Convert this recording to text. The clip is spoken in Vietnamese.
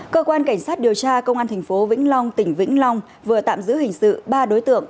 cơ quan cảnh sát điều tra công an tp vĩnh long tỉnh vĩnh long vừa tạm giữ hình sự ba đối tượng